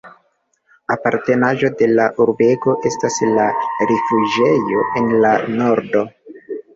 Apartenaĵo de la urbego estas la rifuĝejo en la nordo.